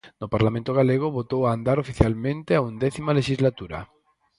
No Parlamento galego botou a andar oficialmente a undécima lexislatura.